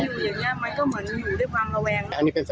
ในเหตุการณ์วันนี้นะฮะ